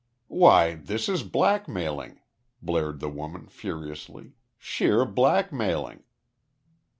"Why, this is blackmailing," blared the woman furiously. "Sheer blackmailing."